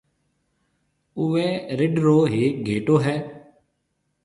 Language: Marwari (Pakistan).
اُوئي رڍ رو هيڪ گھيَََٽو هيَ۔